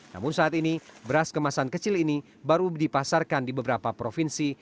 namun saat ini beras kemasan kecil ini baru dipasarkan di beberapa provinsi